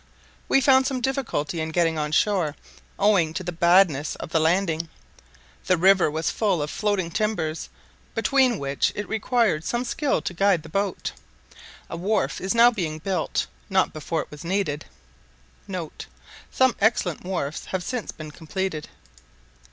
We found some difficulty in getting on shore, owing to the badness of the landing. The river was full of floating timbers, between which it required some skill to guide the boat. A wharf is now being built not before it was needed*. [* Some excellent wharfs have since been completed.